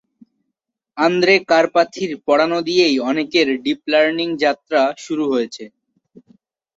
Andre কারপাথির পড়ানো দিয়েই অনেকের ডিপ লার্নিং যাত্রা শুরু হয়েছে।